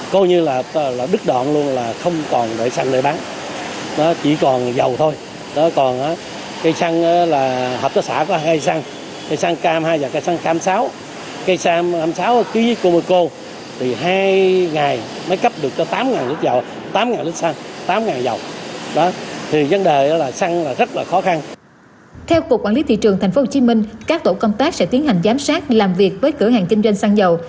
của cục quản lý thị trường tp hcm để người dân phản ánh các hành vi vi phạm liên quan đến kinh doanh xăng dầu